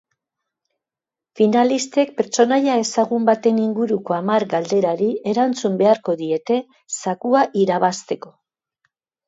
Finalistek pertsonaia ezagun baten inguruko hamar galderari erantzun beharko diete zakua irabazteko.